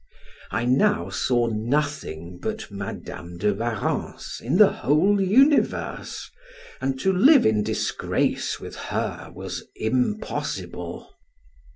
I now saw nothing but Madam de Warrens in the whole universe, and to live in disgrace with her was impossible.